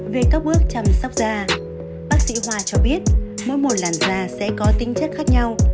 về các bước chăm sóc da bác sĩ hoa cho biết mỗi một làn da sẽ có tính chất khác nhau